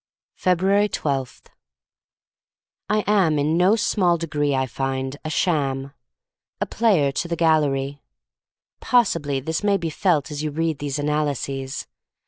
f ebruaris 12 « I AM in no small degree, I find, a sham — a player to the gallery. Possibly this may be felt as you read these analyses.